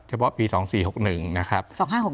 เฉพาะปีสองสี่หกหนึ่งนะครับ